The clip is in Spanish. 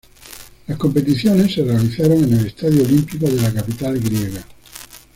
Las competiciones se realizaron en el Estadio Olímpico de la capital griega.